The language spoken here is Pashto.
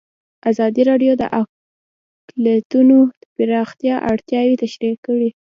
ازادي راډیو د اقلیتونه د پراختیا اړتیاوې تشریح کړي.